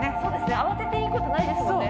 慌てていいことないですもんね。